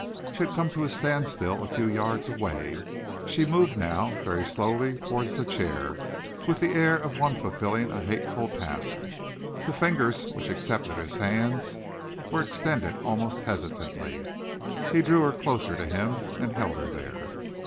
She had come to a standstill a few yards away. She moved now very slowly towards the chair, with the air of one fulfilling a hateful task. The fingers which accepted his hands were extended almost hesitatingly. He drew her closer to him and held her there.